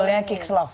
judulnya kicks love